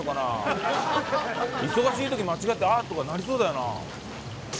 忙しい時間違って「あっ」とかなりそうだよな。